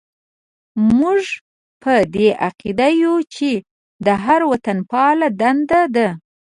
موږ په دې عقیده یو چې د هر وطنپال دنده ده.